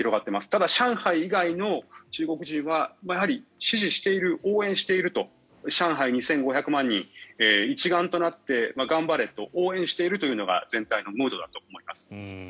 ただ、上海以外の中国人はやはり支持している応援しているという上海２５００万人一丸となって頑張れと応援しているというのが全体のムードだと思います。